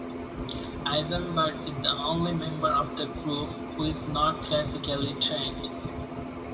Izambard is the only member of the group who is not classically trained.